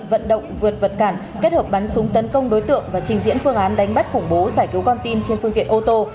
vận động vượt vật cản kết hợp bắn súng tấn công đối tượng và trình diễn phương án đánh bắt khủng bố giải cứu con tin trên phương tiện ô tô